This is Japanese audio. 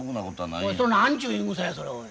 それ何ちゅう言いぐさやそれおい。